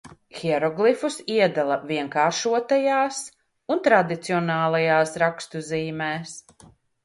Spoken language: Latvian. Hieroglifus iedala vienkāršotajās un tradicionālajās rakstu zīmēs.